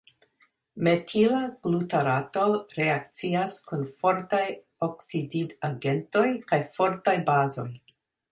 Metila glutarato reakcias kun fortaj oksidigagentoj kaj fortaj bazoj.